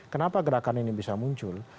kenapa gerakan ini bisa muncul